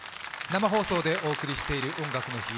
生放送でお送りしている「音楽の日」。